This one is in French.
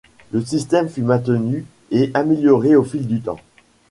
Le système fut maintenu et amélioré au fil du temps.